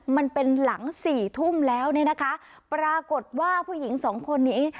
มันเป็นหลังสี่ทุ่มแล้วเนี่ยนะคะปรากฏว่าผู้หญิงสองคนนี้